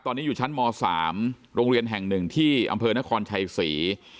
ตอนนี้อยู่ชั้นม๓โรงเรียนแห่งหนึ่งที่อำเภอนครชัยศรี